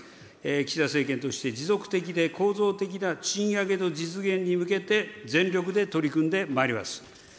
岸田政権として、持続的で構造的な賃上げの実現に向けて、全力で取り組んでまいります。